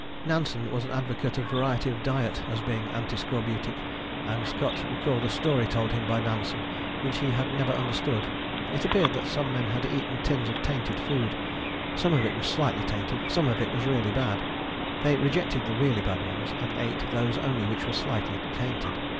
Nansen was an advocate of variety of diet as being anti scorbutic, and Scott recalled a story told him by Nansen which he had never understood. It appeared that some men had eaten tins of tainted food. Some of it was slightly tainted, some of it was really bad. They rejected the really bad ones, and ate those only which were slightly tainted.